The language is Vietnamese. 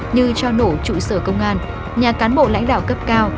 như cho nổ trụ sở công an nhà cán bộ lãnh đạo cấp cao